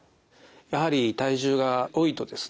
やはり体重が多いとですね